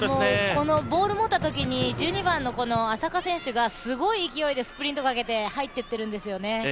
ボールを持ったときに、１２番の浅香選手がすごいスプリントかけて入っていってるんですよね。